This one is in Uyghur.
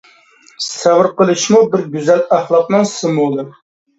سەۋر قىلىشمۇ بىر گۈزەل ئەخلاقنىڭ سىمۋولى!